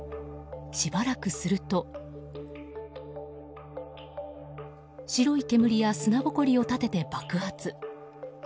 しばらくすると白い煙や砂ぼこりを立てて爆発。